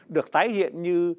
được tái hiện như